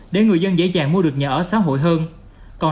để người dân dễ dàng mua được nhà ở xã hội hơn